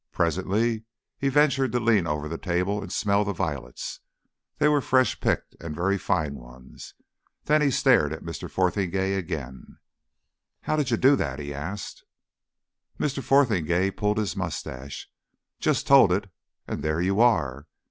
Presently he ventured to lean over the table and smell the violets; they were fresh picked and very fine ones. Then he stared at Mr. Fotheringay again. "How did you do that?" he asked. Mr. Fotheringay pulled his moustache. "Just told it and there you are.